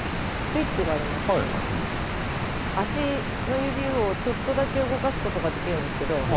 スイッチがありまして足の指をちょっとだけ動かすことができるんですけど。